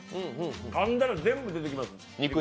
かんだら全部出てきます。